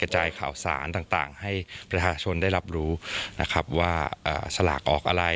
จ่ายข่าวสารต่างให้ประชาชนได้รับรู้นะครับว่าสลากออกอะไร